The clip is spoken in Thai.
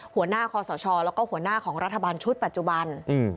หัวหน้าคอสชแล้วก็หัวหน้าของรัฐบาลชุดปัจจุบัน